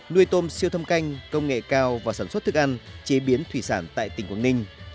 nuôi tôm siêu thâm canh công nghệ cao và sản xuất thức ăn chế biến thủy sản tại tỉnh quảng ninh